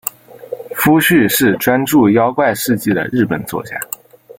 夫婿是专注妖怪事迹的日本作家。